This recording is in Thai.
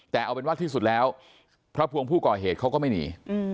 แต่เอาเป็นว่าที่สุดแล้วพระภวงผู้ก่อเหตุเขาก็ไม่หนี